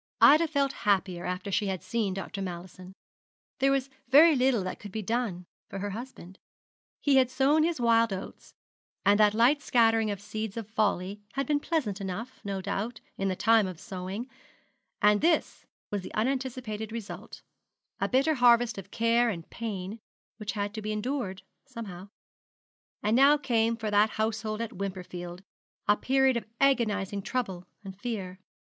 Ida felt happier after she had seen Dr. Mallison. There was very little that could be done for her husband. He had sown his wild oats, and that light scattering of the seeds of folly had been pleasant enough, no doubt, in the time of sowing; and this was the unanticipated result a bitter harvest of care and pain which had to be endured somehow. And now came for that household at Wimperfield a period of agonising trouble and fear.